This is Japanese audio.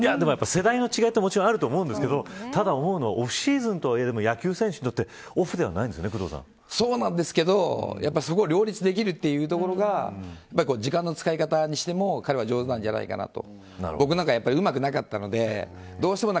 世代の違いも、もちろんあると思うんですけどオフシーズンとはいえ、オフではないんですよねそうなんですけどそこを両立できるところが時間の使い方にしても彼は上手なんじゃないかなと。